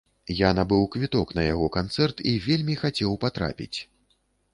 Я набыў квіток на яго канцэрт і вельмі хацеў патрапіць.